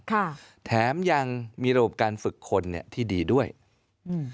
ค่ะแถมยังมีระบบการฝึกคนเนี้ยที่ดีด้วยอืม